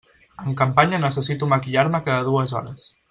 En campanya necessito maquillar-me cada dues hores.